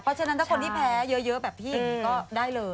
เพราะฉะนั้นถ้าคนที่แพ้เยอะแบบพี่อย่างนี้ก็ได้เลย